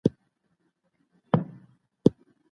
ولولئ نر او ښځي ټول د کتابونو کیسې